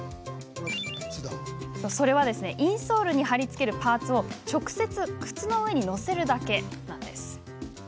それはインソールに貼り付けるパーツを直接、靴の上に載せるだけ。